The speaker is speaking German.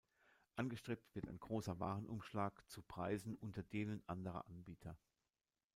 Angestrebt wird ein großer Warenumschlag zu Preisen unter denen anderer Anbieter.